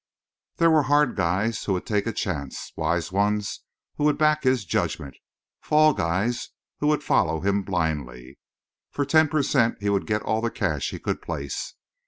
There were "hard guys" who would take a chance. "Wise ones" who would back his judgment. "Fall guys" who would follow him blindly. For ten percent he would get all the cash he could place.